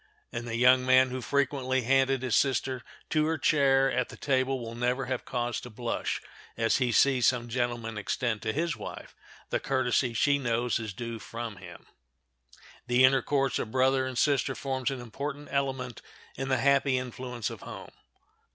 And the young man who frequently handed his sister to her chair at the table will never have cause to blush as he sees some gentleman extend to his wife the courtesy she knows is due from him. The intercourse of brother and sister forms an important element in the happy influence of home.